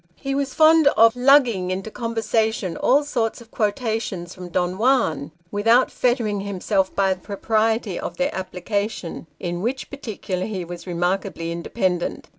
He was fond of " lugging " into conversation all sorts of quotations from Don Juan, without fettering himself by the propriety of their application ; in which particular he was remarkably independent.